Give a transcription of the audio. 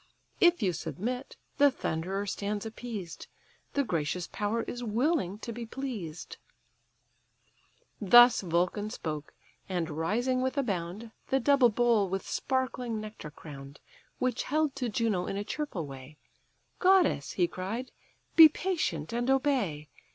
If you submit, the thunderer stands appeased; The gracious power is willing to be pleased." Thus Vulcan spoke: and rising with a bound, The double bowl with sparkling nectar crown'd, Which held to Juno in a cheerful way, "Goddess (he cried), be patient and obey.